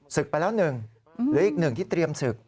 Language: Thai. ศึกไปแล้ว๑หรืออีกหนึ่งที่เตรียมศึก